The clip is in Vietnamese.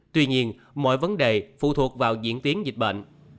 tuy nhiên mọi vấn đề phụ thuộc vào diễn tiến dịch bệnh